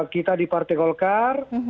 kita di partai golkar